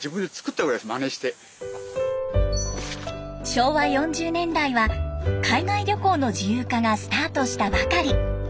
昭和４０年代は海外旅行の自由化がスタートしたばかり。